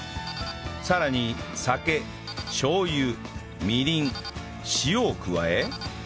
さらに酒しょう油みりん塩を加え